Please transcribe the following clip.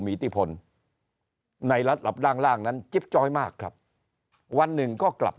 มีอิทธิพลในระดับล่างนั้นจิ๊บจ้อยมากครับวันหนึ่งก็กลับ